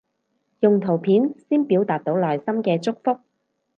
用圖片先表達到內心嘅祝福